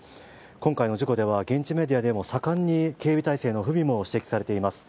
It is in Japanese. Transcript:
今回の事故では現地メディアでも盛んに警備体制の不備が指摘されています。